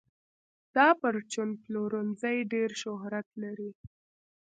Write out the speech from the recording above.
دا پرچون پلورنځی ډېر شهرت لري.